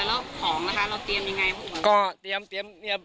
แล้วของเราเตรียมยังไงครับ